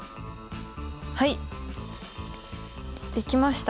はいできました。